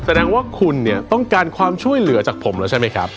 แสดงว่าคุณเนี่ยต้องการความช่วยเหลือจากผมแล้วใช่ไหมครับ